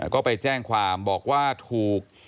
ก็ไปแจ้งความบอกว่าถูก